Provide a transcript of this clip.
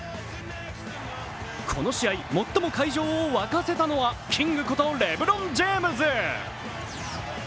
この試合最も会場を沸かせたのはキングことレブロン・ジェームズ。